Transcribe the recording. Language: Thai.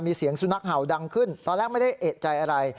มีเสียงสุนัขเห่าดังขึ้นตอนแรกไม่ได้เอกใจอะไร